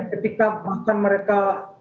ketika bahkan mereka